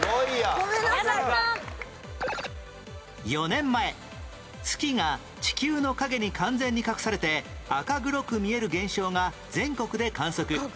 ４年前月が地球の影に完全に隠されて赤黒く見える現象が全国で観測